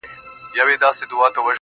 نوم مي د ليلا په لاس کي وليدی.